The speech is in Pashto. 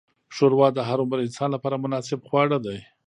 ښوروا د هر عمر انسان لپاره مناسب خواړه ده.